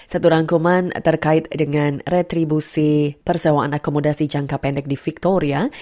satu rangkuman terkait dengan retribusi persewaan akomodasi jangka pendek di victoria